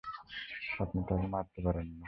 আপনি তাকে মারতে পারেন না!